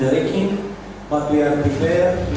tapi kita bersedia